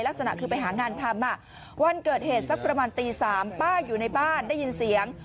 ลักษณะคือไปหางานทำวันเกิดเหตุสักประมาณตี๓ป้าอยู่ในบ้านได้ยินเสียง